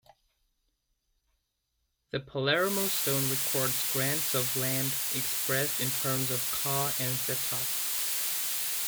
The Palermo stone records grants of land expressed in terms of "kha" and "setat".